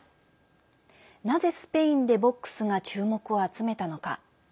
なぜスペインでボックスが注目を集めたのか。